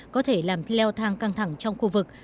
có thể làm leo thang căng thẳng trong khu vực